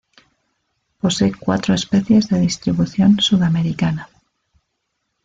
Posee cuatro especies de distribución sudamericana.